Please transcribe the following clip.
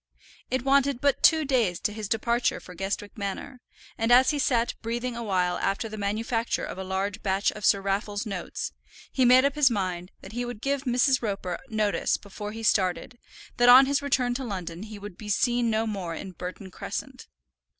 It wanted but two days to his departure for Guestwick Manor, and as he sat breathing a while after the manufacture of a large batch of Sir Raffle's notes, he made up his mind that he would give Mrs. Roper notice before he started, that on his return to London he would be seen no more in Burton Crescent.